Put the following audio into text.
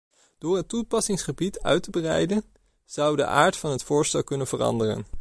Door het toepassingsgebied uit te breiden, zou de aard van het voorstel kunnen veranderen.